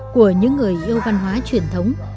của những người yêu văn hóa truyền thống